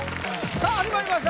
さあ始まりました